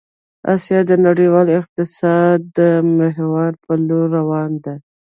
آسيا د نړيوال اقتصاد د محور په لور روان ده